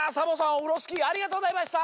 オフロスキーありがとうございました！